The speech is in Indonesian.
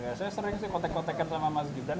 ya saya sering sih kotek kotekan sama mas gibran